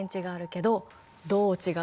どう違う？